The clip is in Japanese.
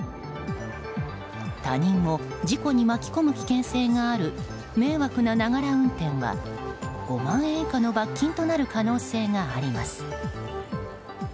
他人を事故に巻き込む危険性がある迷惑なながら運転は５万円以下の罰金となる可能性があります。